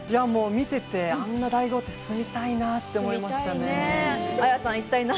見てて、あんな大豪邸、住みたいなって思いましたね。